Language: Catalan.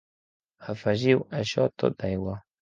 Afegiu a això tot d’aigua.